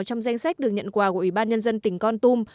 trong danh sách được nhận quà của ủy ban nhân dân tỉnh con tum